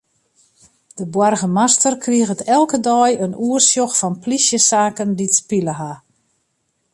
De boargemaster kriget elke dei in oersjoch fan plysjesaken dy't spile ha.